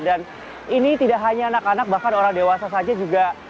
ini tidak hanya anak anak bahkan orang dewasa saja juga